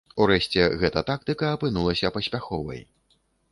Урэшце, гэта тактыка апынулася паспяховай.